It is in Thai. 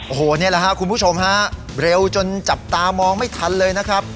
โอ้โหนี่แหละครับคุณผู้ชมฮะเร็วจนจับตามองไม่ทันเลยนะครับ